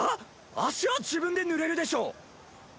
⁉脚は自分で塗れるでしょ！